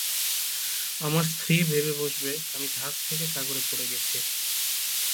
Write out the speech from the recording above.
আমার স্ত্রী ভেবে বসবে আমি জাহাজ থেকে সাগরে পড়ে গেছি।